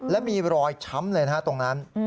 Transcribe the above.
และมีรอยช้ำเลยนะฮะตรงนั้น